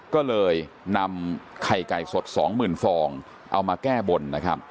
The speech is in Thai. ก็เลยนำไข่ไก่สด๒๐๐๐ฟองเอามาแก้บนนะครับ